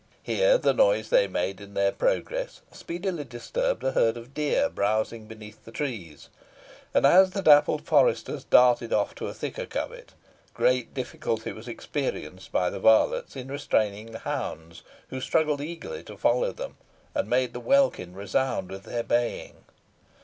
Here the noise they made in their progress speedily disturbed a herd of deer browsing beneath the trees, and, as the dappled foresters darted off to a thicker covert, great difficulty was experienced by the varlets in restraining the hounds, who struggled eagerly to follow them, and made the welkin resound with their baying.